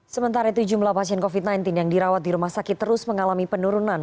sementara itu jumlah pasien covid sembilan belas yang dirawat di rumah sakit terus mengalami penurunan